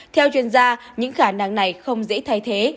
theo chuyên gia những khả năng này không dễ thay thế